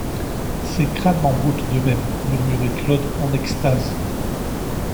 C’est crânement beau tout de même, murmurait Claude en extase.